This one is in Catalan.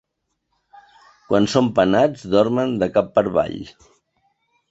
Quan són penats dormen de cap per avall.